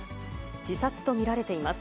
自殺と見られています。